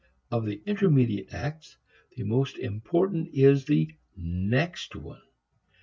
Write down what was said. Of the intermediate acts, the most important is the next one.